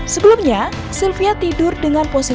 sebelumnya sylvia tidur dengan posisi